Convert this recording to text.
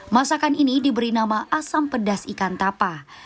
masakan ini diberi nama asam pedas ikan tapa